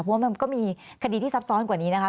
เพราะว่ามันก็มีคดีที่ซับซ้อนกว่านี้นะคะ